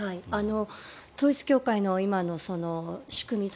統一教会の今の仕組み